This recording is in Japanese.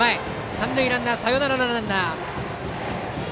三塁ランナーはサヨナラのランナー。